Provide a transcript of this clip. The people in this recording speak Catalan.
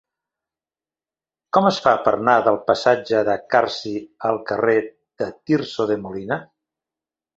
Com es fa per anar del passatge de Carsi al carrer de Tirso de Molina?